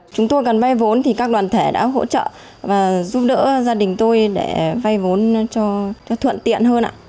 chúng tôi cần vay vốn thì các đoàn thể đã hỗ trợ và giúp đỡ gia đình tôi để vay vốn